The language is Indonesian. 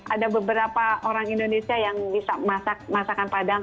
ada beberapa orang indonesia yang bisa masak masakan padang